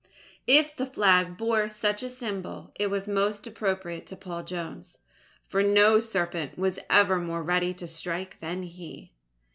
If the Flag bore such a symbol, it was most appropriate to Paul Jones, for no serpent was ever more ready to strike than he.